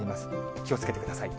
気をつけてください。